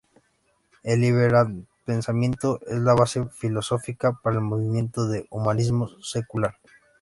El librepensamiento es la base filosófica para el movimiento del Humanismo secular.